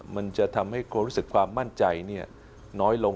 มันจะทำให้ความรู้สึกความมั่นใจน้อยลง